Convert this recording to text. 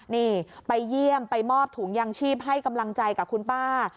นี่ไปเยี่ยมไปมอบถุงยางชีพให้กำลังใจกับคุณป้า